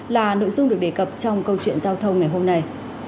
là nội dung được đề cập trong câu chuyện giao thông ngày hôm nay